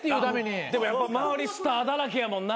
でもやっぱ周りスターだらけやもんな。